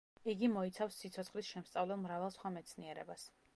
იგი მოიცავს სიცოცხლის შემსწავლელ მრავალ სხვა მეცნიერებას.